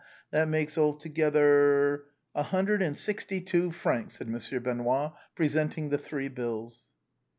That makes alto gether—?'' " A hundred and sixty two francs," said Monsieur Benoît, presenting the three bills.